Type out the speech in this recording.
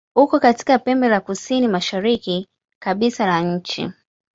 Uko katika pembe la kusini-mashariki kabisa la nchi.